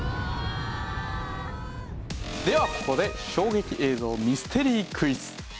ではここで衝撃映像ミステリークイズ。